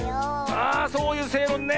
あそういうせいろんね。